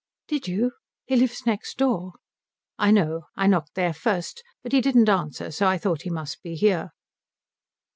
"Did you? He lives next door." "I know. I knocked there first, but he didn't answer so I thought he must be here."